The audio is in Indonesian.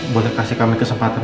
boleh kasih kami kesempatan